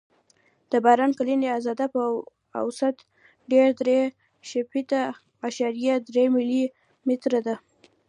د باران کلنۍ اندازه په اوسط ډول درې شپېته اعشاریه درې ملي متره ده